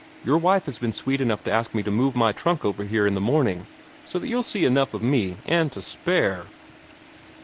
Your wife has been sweet enough to ask me to move my trunk over here in the morning, so that you'll see enough of me and to spare."